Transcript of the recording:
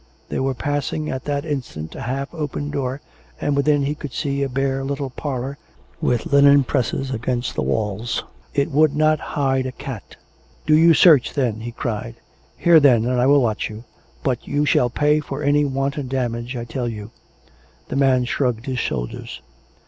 They were passing at that instant a half open door^ and within he could see a bare little parlour, with linen presses against the walls. It would not hide a cat. " Do you search, then !" he cried. " Here, then, and I will watch you! But you shall pay for any wanton dam age, I tell you." The man shrugged his shoulders.